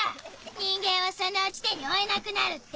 人間はそのうち手に負えなくなるって。